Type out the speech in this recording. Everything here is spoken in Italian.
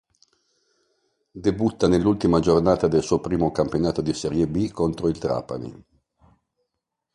Debutta nell'ultima giornata del suo primo campionato di Serie B contro il Trapani.